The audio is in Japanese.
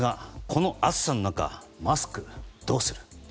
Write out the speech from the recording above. この暑さの中、マスクどうする。